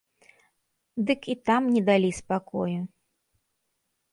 Дык і там не далі спакою.